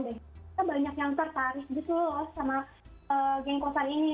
kita banyak yang tertarik gitu loh sama gengkosan ini